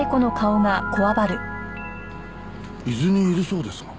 伊豆にいるそうですが。